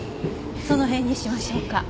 その辺にしましょうか。